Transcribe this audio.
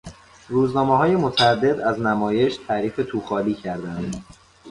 روزنامههای متعدد از نمایش تعریف توخالی کردند.